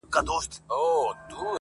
o له عالمه ووزه، له نرخه ئې مه وزه!